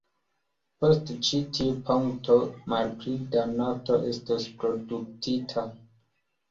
Post ĉi tiu punkto, malpli da nafto estos produktita.